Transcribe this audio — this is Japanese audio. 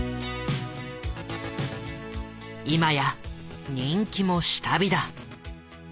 今や人気も下火だ。